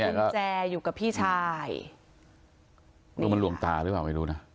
กุญแจอยู่กับพี่ชายเออมันลวงตาหรือเปล่าไม่รู้นะ